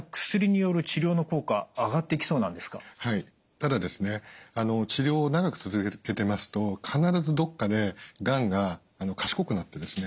ただ治療を長く続けてますと必ずどっかでがんが賢くなってですね